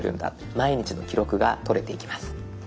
毎日の記録がとれていきます。